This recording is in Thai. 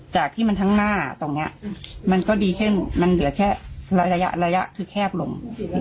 จากที่มันทั้งหน้าตรงนี้มันก็ดีเช่นมันเหลือแค่ระยะคือแคบลง